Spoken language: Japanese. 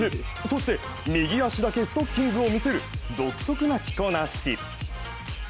そして、右足だけストッキングを見せる独特な着こなし。